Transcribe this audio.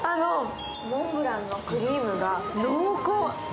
モンブランのクリームが濃厚！